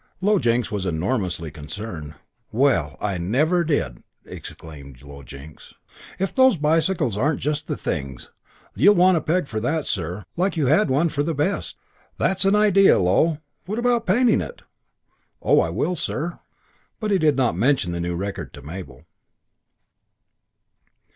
Low Jinks was enormously concerned. "Well! I never did!" exclaimed Low Jinks. "If those bicycles aren't just things! You'll want a peg for that, sir. Like you had one for the best." "That's an idea, Low. What about painting it?" "Oh, I will, sir!" But he did not mention the new record to Mabel.